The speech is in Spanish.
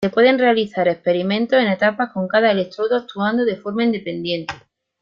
Se pueden realizar experimentos en etapas con cada electrodo actuando de forma independiente.